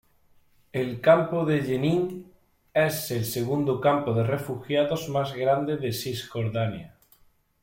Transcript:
El campo de Yenín es el segundo campo de refugiados más grande de Cisjordania.